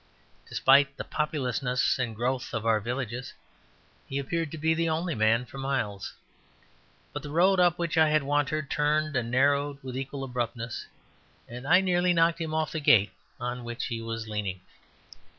Despite the populousness and growth of our villages, he appeared to be the only man for miles, but the road up which I had wandered turned and narrowed with equal abruptness, and I nearly knocked him off the gate on which he was leaning.